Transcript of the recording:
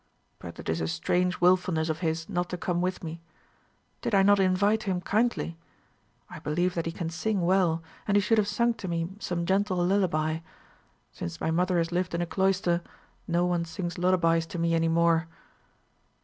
But it is a strange wilfulness of his not to come with me. Did I not invite him kindly? I believe that he can sing well, and he should have sung to me some gentle lullaby. Since my mother has lived in a cloister, no one sings lullabies to me any more."